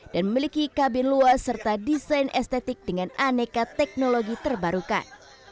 dan memiliki kabin luas serta desain estetik dengan aneka teknologi terbarukan